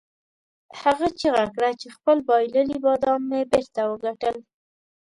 هغه چیغه کړه چې خپل بایللي بادام مې بیرته وګټل.